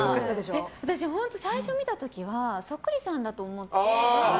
私、最初見た時はそっくりさんだと思って。